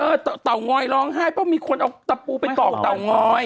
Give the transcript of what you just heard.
เตางอยร้องไห้เพราะมีคนเอาตะปูไปตอกเตางอย